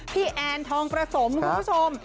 พี่แอนทองประสงค์คุณผู้ชม